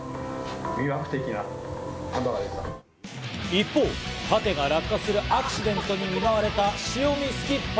一方、パテが落下するアクシデントに見舞われた、潮見Ｓｋｉｐｐｅｒｓ’。